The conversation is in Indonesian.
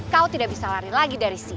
kau tidak bisa lari lagi dari sini